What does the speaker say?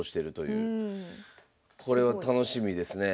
これは楽しみですねえ。